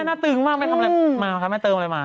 หน้าตึงมากไม่ทำอะไรมาคะแม่เติมอะไรมา